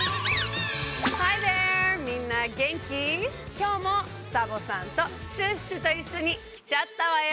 きょうもサボさんとシュッシュといっしょにきちゃったわよ！